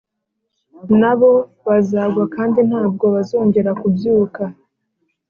Na bo bazagwa kandi ntabwo bazongera kubyuka.”